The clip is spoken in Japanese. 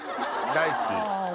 大好き。